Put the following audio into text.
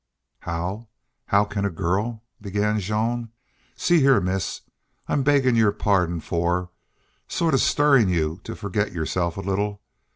"How how can a girl..." began Jean. "See here, miss, I'm beggin' your pardon for sort of stirrin' you to forget yourself a little.